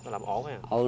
làm ổn hả